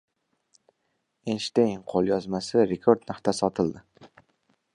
Eynshteyn qo‘lyozmasi rekord narxda sotildi